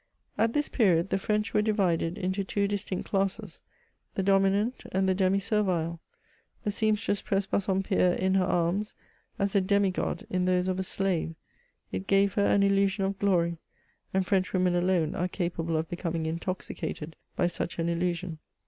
At this period, the French were divided into two dis tinct classes — the dominant and the demi servile. The seam stress pressed Bassompierre in her arms, as a demi god in those of a slave : it gave her an illusion of glory, and Frenchwomen alone are capable of becoming intoxicated by such an illusion.